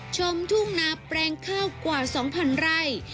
ชมทุ่งนาแปลงข้าวกว่า๒๐๐ไร่